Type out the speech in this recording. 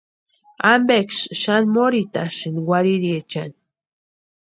¿Ampeksï xani morhitantasïni warhiriechani?